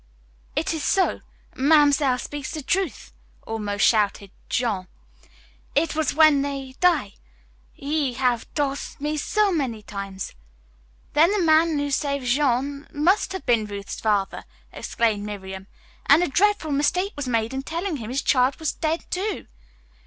"It is so. Mamselle speak the truth!" almost shouted Jean. "It was then they die. He have tol' me so many times." "Then the man who saved Jean must have been Ruth's father!" exclaimed Miriam, "and a dreadful mistake was made in telling him his child was dead, too.